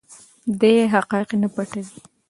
دی حقایق نه پټوي.